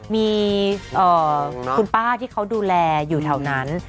มีคุณป้าที่เขาดูแลอยู่แถวนั้น